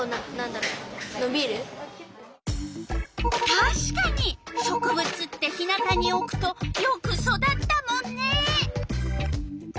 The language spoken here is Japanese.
たしかに植物って日なたにおくとよく育ったもんね。